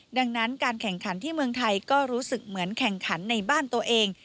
ดังนั้นการแข่งขันที่เมืองไทยก็รู้สึกเหมือนแข่งขันในบ้านตัวเอง